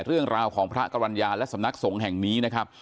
เรื่องราวของพระกรรณญาและสำนักสงฆ์แห่งนี้นะครับ